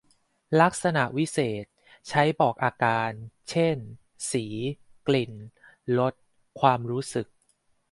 ลักษณะวิเศษณ์ ใช้บอกอาการ เช่น สี กลิ่น รส ความรู้สึก